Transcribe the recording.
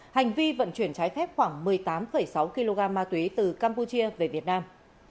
hành vi vận chuyển trái phép khoảng một mươi tám sáu kg ma túy từ campuchia về việt nam